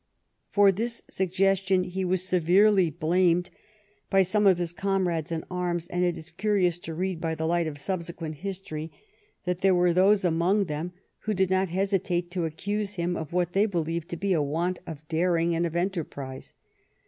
For this suggestion he was severely blamed by some of his comrades in arms, and it is curious to read by the light of subsequent history that there were those among them who did not hesitate to accuse him of what they believed to be a want of daring and of enter prise.